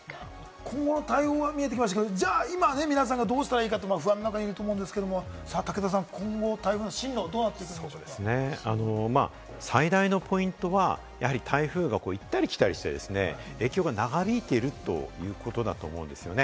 今後の対応は見えてきましたが、じゃあ今、皆さんがどうしたらいいのか不安の中にいると思うんですけれども武田さん、今後、台風の進路はどうなってい最大のポイントは台風が行ったり来たりしてですね、影響が長引いているということだと思うんですね。